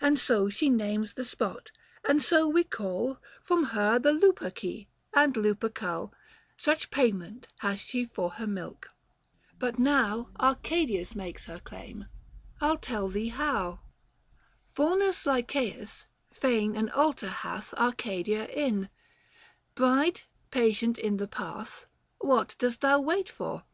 435 And so she names the spot ; and so we call From her the Luperci, and Lupercal : Such payment hath she for her milk. — But now Arcadia makes her claim ; I'll tell thee how : 48 THE FASTI. Book II. Faunus Lycseus, fane and altar hath 440 Arcadia in. Bride, patient in the path, What dost thou wait for